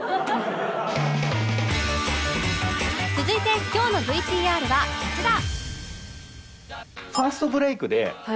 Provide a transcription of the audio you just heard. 続いて今日の ＶＴＲ はこちら